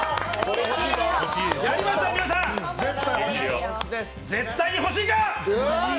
やりました、皆さん、絶対に欲しいか？